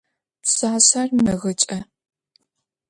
Pşsaşser megıç'e.